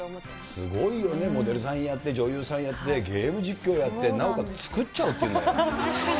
すごいよね、モデルさんやって女優さんやってゲーム実況やって、なおかつ作っちゃうっていうんだから。